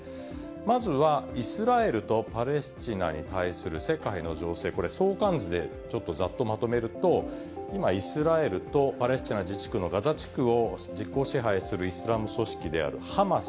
まずはイスラエルとパレスチナに対する世界の情勢、これ、相関図でちょっとざっとまとめると、今、イスラエルとパレスチナ自治区のガザ地区を実効支配するイスラム組織であるハマス。